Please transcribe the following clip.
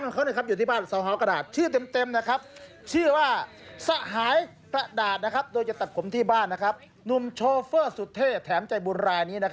เปิดท้ายขายของแบบนี้